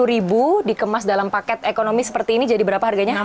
sepuluh ribu dikemas dalam paket ekonomi seperti ini jadi berapa harganya